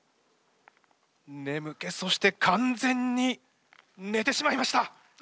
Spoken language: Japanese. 眠気そして完全に寝てしまいました！